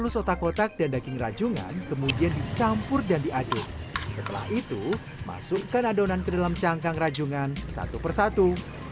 setelah itu masukkan adonan ke dalam cangkang rajungan satu persatu